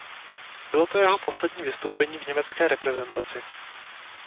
Bylo to jeho poslední vystoupení v německé reprezentaci.